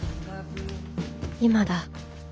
今だ